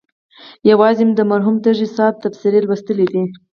یوازې مې د مرحوم تږي صاحب تبصرې لوستلي دي.